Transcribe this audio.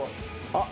あっ！